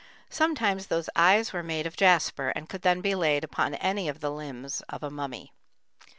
Sometimes these eyes were made of jasper, and could then be laid upon any of the limbs of a mummy.